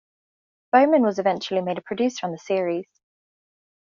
Bowman was eventually made a producer on the series.